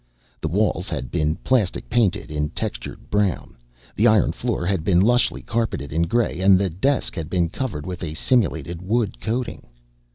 The walls had been plastic painted in textured brown, the iron floor had been lushly carpeted in gray, and the desk had been covered with a simulated wood coating.